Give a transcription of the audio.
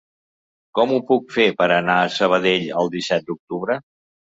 Com ho puc fer per anar a Sabadell el disset d'octubre?